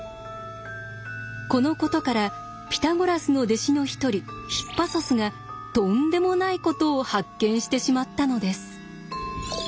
このことからピタゴラスの弟子の一人ヒッパソスがとんでもないことを発見してしまったのです。